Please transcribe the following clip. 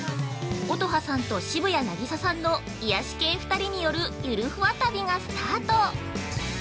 乙葉さんと渋谷凪咲さんの癒し系２人によるゆるふわ旅がスタート！